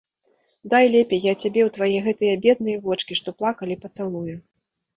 Дай лепей я цябе ў твае гэтыя бедныя вочкі, што плакалі, пацалую.